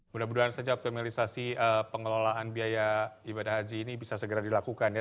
mudah mudahan sejak optimalisasi pengelolaan biaya ibadah haji ini bisa segera dilakukan ya